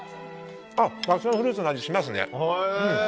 パッションフルーツの味しますね。